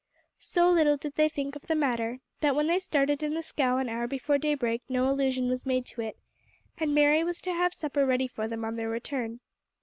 So little did they think of the matter that when they started in the scow an hour before daybreak no allusion was made to it, and Mary was to have supper ready for them on their return.